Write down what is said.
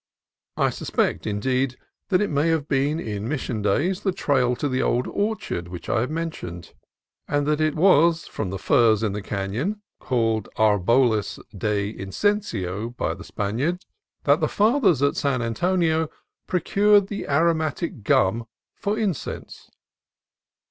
I suspect, indeed, that it may have been, in Mission days, the trail to the old orchard which I have mentioned; and that it was from the firs in the canon (called drboles de incienso by the Spaniards) that the fathers at San Antonio procured the aromatic gum for in cense.